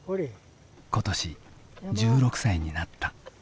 今年１６歳になった。